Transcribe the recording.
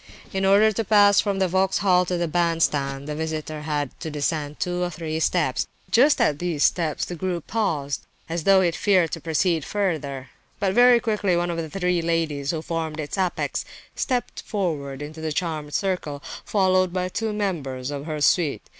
In order to pass from the Vauxhall to the band stand, the visitor has to descend two or three steps. Just at these steps the group paused, as though it feared to proceed further; but very quickly one of the three ladies, who formed its apex, stepped forward into the charmed circle, followed by two members of her suite.